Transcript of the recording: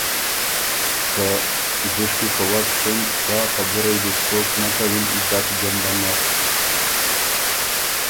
که ” دُشکی په وک سُن سا خبُرئ دی بُو کوک نک کَوِن ډک جمبۀ نر“